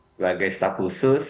sebagai staf khusus